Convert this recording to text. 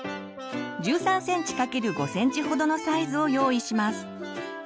１３ｃｍ×５ｃｍほどのサイズを用意します。